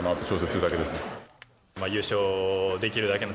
優勝できるだけの